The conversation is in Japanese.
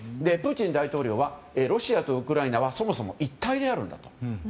プーチン大統領はロシアとウクライナはそもそも一体であるんだと。